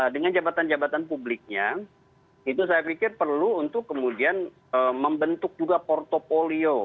dengan jabatan jabatan publiknya itu saya pikir perlu untuk kemudian membentuk juga portfolio